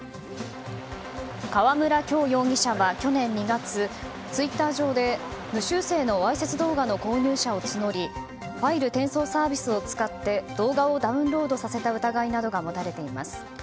川村京容疑者は去年２月ツイッター上で無修正のわいせつ動画の購入者を募りファイル転送サービスを使って動画をダウンロードさせた疑いなどが持たれています。